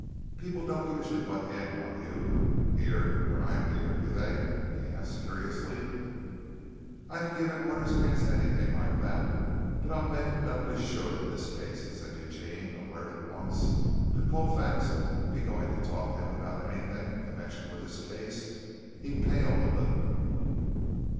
"People don't usually butt in on you here when I'm here, do they?" he asked curiously. "I've given orders against anything like that, but I'll make it doubly sure in this case," said Eugene, alert at once. Could Colfax be going to talk to him about anything in connection with his case? He paled a little.